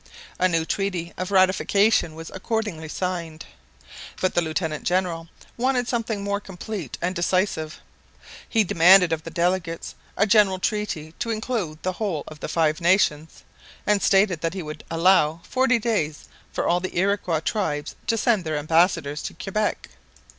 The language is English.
A new treaty of ratification was accordingly signed. But the lieutenant general wanted something more complete and decisive. He demanded of the delegates a general treaty to include the whole of the Five Nations, and stated that he would allow forty days for all the Iroquois tribes to send their ambassadors to Quebec.